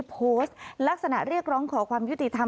โพสต์ลักษณะเรียกร้องขอความยุติธรรม